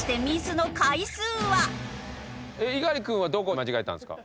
猪狩君はどこ間違えたんですか？